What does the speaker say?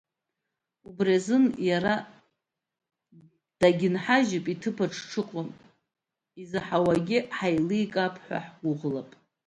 Убри азын иара дагьынҳажьып иҭаԥыҿ дшыҟоу, изаҳауагьы ҳаиликаап ҳәа ҳгәыӷлап.